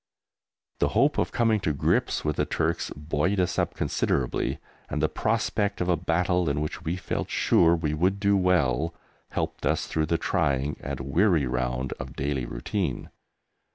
The hope of coming to grips with the Turks buoyed us up considerably, and the prospect of a battle in which we felt sure we would do well helped us through the trying and weary round of daily routine.